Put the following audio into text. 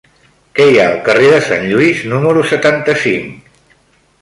Què hi ha al carrer de Sant Lluís número setanta-cinc?